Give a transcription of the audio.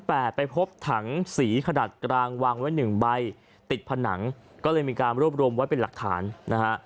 ไปพบถังสีขนาดกลางวางไว้หนึ่งใบติดผนังก็เลยมีการรวบรวมไว้เป็นหลักฐานนะฮะ